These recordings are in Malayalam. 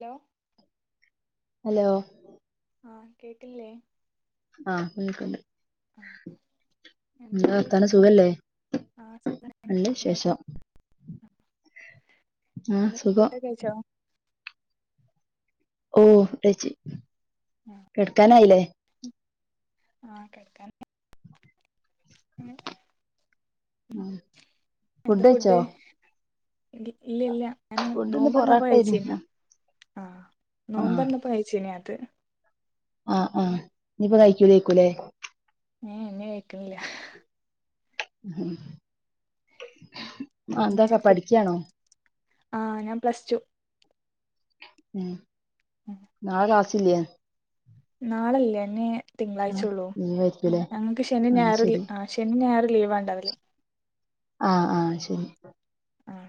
ഹലോ ഹലോ ആഹ് കേട്ടില്ലേ ആഹ വിക്ക എന്തൊക്കെയാ വിശേഷം നല്ല ആപ്പോ വിശേഷം ആ ആഹ് എന്ത സുഖം ഫുഡ്ൊക്കെ കഴിച്ചോ ഫുഡ്‌ കയ്ച്ചു കിടക്കാണണയീലെ ആഹ കേൾക്കന്നെ ആഹ് എന്താ ഫുഡ് ഫുഡയ്ച്ചോ ഇല്ല ഇല്ല ഞാന ഫുഡ്ന്ന് നോമ്പർന്നപ്പോ പൊറാട്ടേര്ന്ന് കയ്ച്ചീനി ആഹ് ആഹ് നോമ്പർന്നപ്പോ കഴ്ച്ചീനി അത്‌ ആഹ് ആഹ് ഇ നിപ്പ കഴിക്കൂലക്കൂല്ലേ ഏ എന്നെ കഴിക്കുന്നില്ല എന്താക്കാ പഠിക്കാണോ ആ ഞാൻ പ്ലസ് ടു ഉം ന ക്‌ളാസ്സല്ലേ നാളല്ലേന്നെ ആഹ് തിങ്കളാഴ്ചയള്ളൂ ഓ ലീവായിരിക്കൂല്ലേ ഞങ്ങൾക്ക് ശനി അത് ഞായ റും ശരി ആ ശനി ഞായ ലീവ്േണ്ട അതില്ലേ ആഹ ആഹ ശരി ആഹ്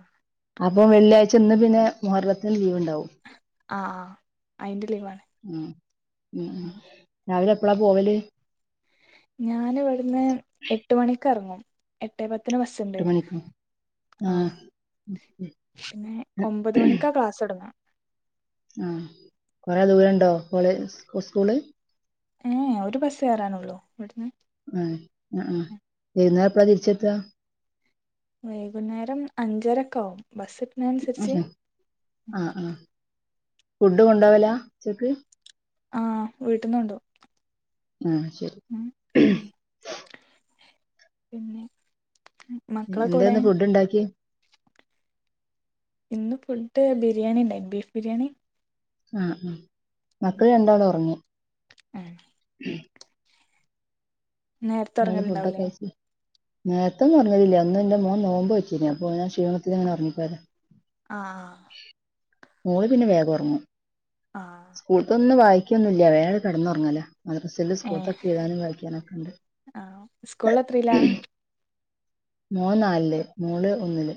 അപ്പൊ വെള്ളിയാഴ്ച ഇന്ന് പിന്നെ മുഹർളത്തിന് ലീവ ഉണ്ടാവും ആ ആ് അയിന്റെ ലീവാണ് ഉ ഉ ഉ രാവിലെ എപ്പഴാ പോവല് ഞൻ ഇവിടുന്ന് എട്ട് മണിക്ക് ഇറങ്ങും എട്ടേ പത്തിന് ബസ്സുണ്ട് എട്ട് മണിക്കോ ആഹ ആഹ് പിന്നെ ഒമ്പത് മണിക്കാ ക്ലാസ് തുടങ്ങ ആ കൊറെ ദൂര ഉണ്ടോ കോള സ്കൂള് ഏ ഒരു ബസ്സ് കയറാാനുള്ളൂ ഇവിടുന്ന് ആ ആ ആവൈന്നേരം എപ്പളാ തിരിച്ചെത്ത വൈകുന്നേരം അഞ്ചരക്ക ആവും ബസ്സ് ഇട്ടുന്ന അനുസരിച്ച് ആഹ് ആഹ് ഫുഡ് കൊണ്ടാവല ഉച്ചക്ക് ആഹ വീട്ടന്നുണ്ടോവും ആഹ ശരി പിന്നെ മക്കളെകോവിടെ എന്തേന്ന് ഫുഡ് ഉണ്ടാക്കിയേ ഇന്ന് ഫുഡ് ബിരിയാണി ഉണ്ടാക്കി ബീഫ് ബിരിയാണി ആഹ ആ മക്കള് രണ്ടാലും ഉറങ്ങി ആഹ [unintelligible] നേരത്തെ ഫുഡ്‌ ഒക്കെ ഒറങ്ങലുണ്ടാവൂലേ കയ്ച്ചു നേരെത്തെ ഒന്നും ഉറങ്ങില്ല ന്ന് എന്റെ മോൻ നോമ്പ് നൊട്ടീന് അപ്പോ അയ്‌ന്റെ ക്ഷീണത്തിൽ അങ്ങനെ ഉറങ്ങിപ്പോരാ ആഹ ആഹ മോള് പിന്നെ വേഗം ഉറങ്ങു ആഹ് സ്കൂളത്തൊന്ന് വായി കിക്കൊന്നുമ ഇല്ല വേറെ വയ്ക്കൊന്നുള്ള വേഗം കടന്നറങ്ങല്ലേ മദ്രസൽ സ്കൂത്തൊക്കെ്താനും കളിക്കാനൊക്കെ ഉണ്ട് ആഹ സ്കൂള അത്രല്ലാ മോൻ നാലില് മോൾ ഒന്നില്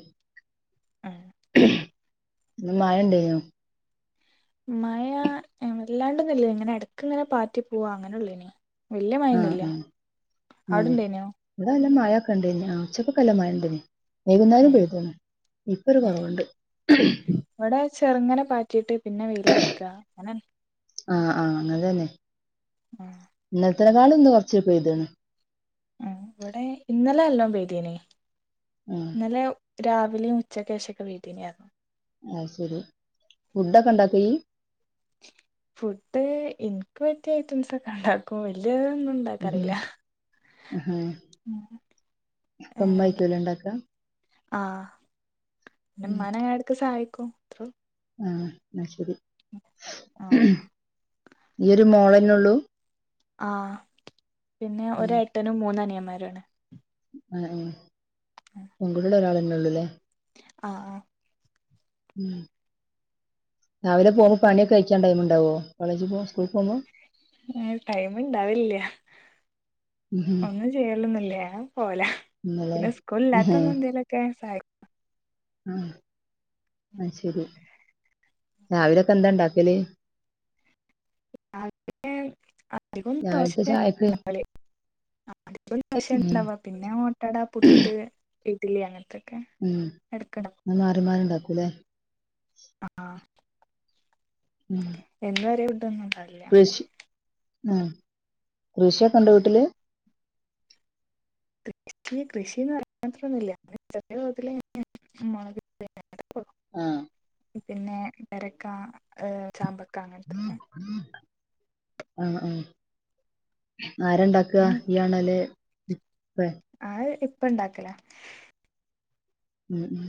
പിന്നെ മഴ ണ്ടെയിണോ മഴ വല്ലാണ്ടൊന്നും ഇല്ല ഇങ്ങനെ ഇടക്ക ഇങ്ങനെ പാറ്റി പോവാ അങ്ങനെള്ളു ഇന ആ ഉ ഇണ്ടേനോ ഉവ്ടെ ല്ല മഴ ക്കണ്ട ആ ഉച്ചക്കൊക്കെ നല്ല മഴ ണ്ടെയിനി ഏ വൈകുന്നേരം പെയ്തേൻ ഇപ്പൊ ഒരു ഏ കുറവുണ്ട് ഇവിടെ ചെറുങ്ങനെ പാറ്റിട്ട് പിന്നെ വെയിലറക്ക അങ്ങനെ ആഹ ആഹ് അങ്ങത തന്നെ ഉ ഒന്ന് കുറച്ച പോയതാണ് ഉ ഇവിടെ ഇന്നലെ അല്ലോ പ്രേദീനെ ആ ഇന്നലെ രാവിലെയും ഉച്ച ക്കെശൊക്കെ പെയ്തീനി പറഞ്ഞു ആഹ ശെരി ഫുഡൊക്കെ ഇണ്ടാക്കയി ഫുഡ് എനിക്ക് പറ്റിയ ഐറ്റംസ് ഒക്കെ ഉണ്ടാക്കും വല്ല്യ ഉം ഒന്നുണ്ടാക്കറിയില്ല അപ്പൊ മ്മ ആയിരിക്കും ണ്ടാകുക? ആഹ പിന്നെ മ്മാനെ ഞാനിടക്ക് സഹായിക്കും അത്ര- ആ ന്ന ശരി ആഹ് ഈ ഒരു മോളന്നെ ഉള്ളു? ആഹ പിന്നെ ഒരു എട്ടനും മൂന്ന് അനിയന്മാരാണ് ആ പെകുട്ടി ഒരാളന്നെ ഉള്ളല്ലേ? ആഹ ആഹ ഉം രാവിലെ പോകുമ്പോ പണിയൊക്കെ കഴിച്ചാണ്ട ടൈം - വോ കോളേജ്മ്പോക്കുമ്പോ സ്കൂൾ പോകുമോ ടൈമിണ്ടാവില്ല ഉം ഒന്നും ചെയ്യലൊന്നുല്ല പോല ഇന്നലെ പിന്നെ സ്കൂളില്ലാത്ത അന്ന് എന്തെലൊക്കെ സഹായിക്കും ആഹ ആ ശരി രാവിലൊക്കെ എന്താ ഉണ്ടാക്കല് അ അധികം ദോശ രാവിലത്തെ ചായക്ക് ണ്ടാവൽ [inaudible] പശം ഉം ഇണ്ടവാ പിന്നെ ഓട്ടടാ പുട്ട് ഇഡ്ലി അങ്ങനത്തെ ഉം അ മാറി മാറി ഉണ്ടാക്കൂല്ലേ ആഹ ഉം എന്നും ഒരേ ഫുടൊന്നും ഉണ്ടാവില്ല ഉം കൃഷിയൊക്കെ ഉണ്ടോ വീട്ടില്? കൃഷി കൃഷിന്ന് പറയാൻ മാത്രമൊന്നുമില്ല ചെറിയ തോതിൽ മുളക് [inaudible] ആഹ് പിന്നെ പേരക്ക, ചാമ്പക്ക അങ്ങനത്തൊക്കെ അ ആഹ് ആരണ്ടാക്ക ഈ ആണേൽ ആ ഇപ്പ ഇണ്ടാക്കല ഉം ഉ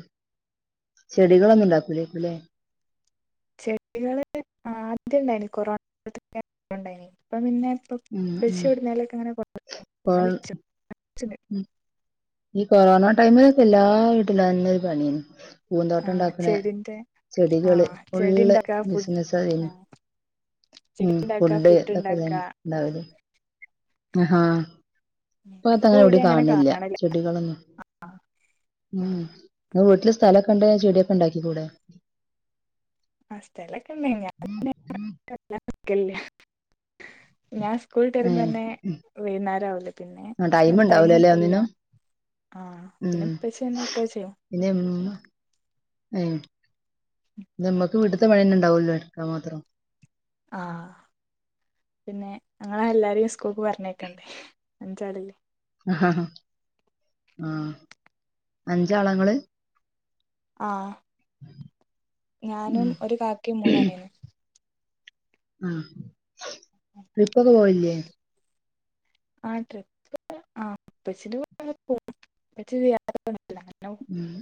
ചെടികളൊന്നുണ്ടാക്കൂല യ്കുലേ ചെടികള് ആദ്യം ഉണ്ടായി കൊറോണത്തണ്ടായി ഇപ്പ പിന്നെ അപ്പൊ പ്പച്ചി എവിടുന്നേലൊക്കെ കൊണ്ടെന്നരും ഫാൾ ചിന് ഈ കൊറോണ ടൈമിലൊക്കെ എല്ലാ വീട്ടിലും അതന്നെ ഒരു പണിയെന് പൂന്തോട്ടം ആഹ് ഉണ്ടാക്കണ ചെടിന്റെ ചെടികള് ആഹ് ചെടി ഫുള്ള് ഇണ്ടാക്കാ ഫുഡ് ബിസിനസേനു ആഹ് ചെടി ഉം ഇണ്ടാക്കാ ഫുഡ് ഫുഡ്തൊക്കെ തെന്നെ ഇണ്ടാക്കാ ആഹ് ഉണ്ടാവൽ ആഹ് പ്പ ത ഇപ്പൊ അങ്ങനെ എവിട ഇവിടെ കാണണില്ല കാണല്ല ചെടികളന്നെ ആ ഉം വീട്ടിൽ സ്ഥലണ്ട് ചെടിയൊക്കെ ഉണ്ടാക്കി കൂടെ? ആ സ്ഥലൊക്കെണ്ട ഞാൻ പിന്നെ വല്ലാതെ നിക്കലില്ല സ്കൂൾ വിട്ട് വരുമ്പോ തന്നെ ഏഹ് വൈുന്നാരാവൂല്ലേ പിന്നെ ടൈം ഉണ്ടാവൂലല്ലേ കിട്ടലില്ല ഒന്നിനും ആഹ പിന്നെ ഉം ഇപ്പച്ചി ന്നെ ഒക്കെ ചെയ്യും ഉം നമ്മക്ക് വീട്ടത്തെ പണിന്നെ ഇണ്ടാവല്ലോ എടുക്കാ മാത്രം ആഹ് പിന്നെ ഞങ്ങാളെല്ലാരെയും സ്കൂൾക്ക് പറഞ്ഞേക്കണ്ടേ അഞ്ചാളില്ലേ ആഹാ ആഹ് അഞ്ചാളാങ്ങള് ആഹ് ഞാനും ഉം ഒരു കാക്കയും മൂന്നനിയനും ആഹ ട്രിപ്പൊക്കെ പോകാലില്ലേ ആ ട്രിപ്പ് ആ പ്പച്ചിന്റെ കൂടെ പോകും പ്പച്ചി സിയാറ ഉം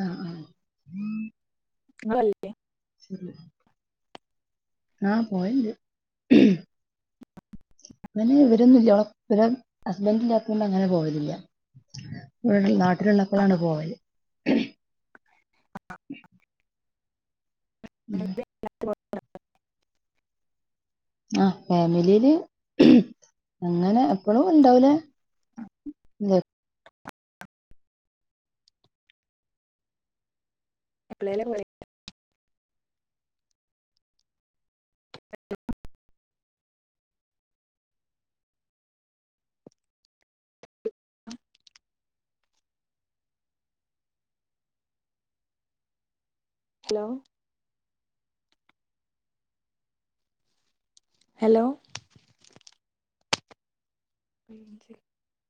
ആ ആ ങ്ങളല്ലേ ശരി ആ പോയൽണ്ട് ങ്ങനെ ഇവരൊന്നും ഓളെ വരെ ഹസ്ബൻ ഇല്ലാത്തൊണ്ട് അങ്ങനെ പോയലില്ല [unintelligible] നാട്ടിലുള്ളപ്പളാണ് പോവല് ഉം ആ ഫാമിലിയില് അങ്ങനെ എപ്പഴും ണ്ടാവൂല എപ്പ്ളേലും [unintelligible] [inaudible] ഹലോ ഹലോ [unintelligible]